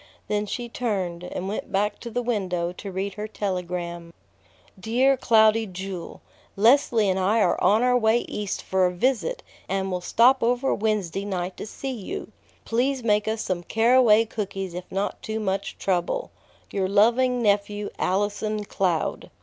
Then she turned, and went back to the window to read her telegram. "DEAR CLOUDY JEWEL: Leslie and I are on our way East for a visit, and will stop over Wednesday night to see you. Please make us some caraway cookies if not too much trouble. "Your loving nephew, "ALLISON CLOUD."